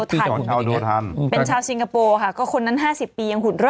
หลุดอ่ะโง่ทันเป็นชาวนะคะก็คนนั้นห้าสิบปียังหุ่น